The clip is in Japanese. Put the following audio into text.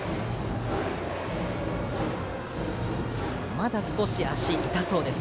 まだ少し足痛そうです